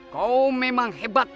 kau memang hebat